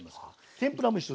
天ぷらも一緒です。